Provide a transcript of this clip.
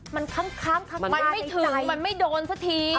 มันค้างมันไม่ถึงมันไม่โดนสักที